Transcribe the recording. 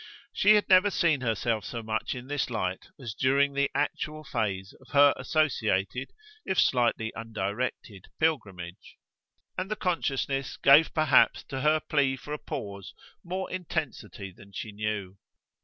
She had never seen herself so much in this light as during the actual phase of her associated, if slightly undirected, pilgrimage; and the consciousness gave perhaps to her plea for a pause more intensity than she knew.